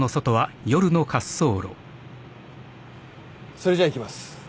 それじゃあいきます。